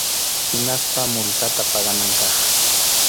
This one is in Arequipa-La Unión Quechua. Hinaspa multata paganan kaq.